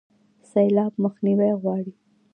سیلاب مخنیوی غواړي